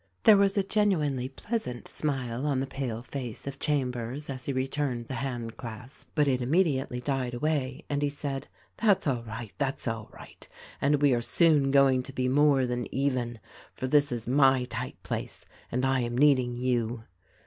There was a genuinely pleasant smile on the pale face of Chambers as he returned the hand clasp ; but it immediately died away, and he said, "That's all right, that's all right, and we are soon going to be more than even — for this is my tight place, and I am needing you."